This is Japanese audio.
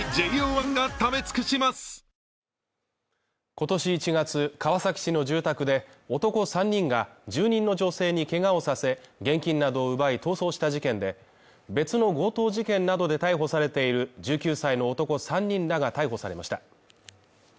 今年１月、川崎市の住宅で男３人が、住人の女性にけがをさせ、現金などを奪い逃走した事件で、別の強盗事件などで逮捕されている１９歳の男３人らが逮捕されました。